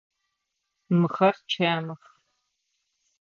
Мыхэр чэмых.